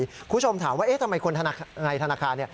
คุณผู้ชมถามว่าทำไมคุณนายธนาคาร